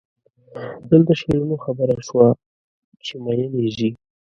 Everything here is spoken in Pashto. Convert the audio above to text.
دلته شیرینو خبره شوه چې مئین یې ځي.